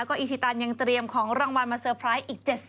แล้วก็อิชิตันยังเตรียมของรางวัลมาเซอร์ไพรส์